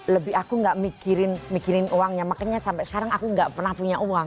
lebih aku enggak mikirin uangnya makanya sampai sekarang aku enggak pernah punya uang